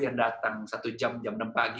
yang datang satu jam jam enam pagi